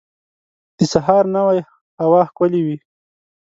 د سهار نوی هوا ښکلی وي.